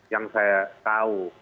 yang saya tahu